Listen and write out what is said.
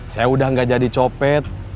saya udah gak jadi copet